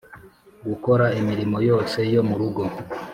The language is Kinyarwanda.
gukora imirimo yose yo murugo.